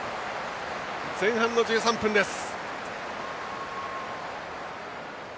前半の１３分です。